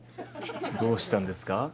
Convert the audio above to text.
どうしたんですか？